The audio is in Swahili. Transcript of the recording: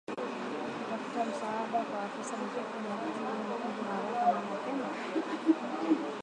Kutafuta msaada kwa afisa mifugo na kutibu mifugo haraka na mapema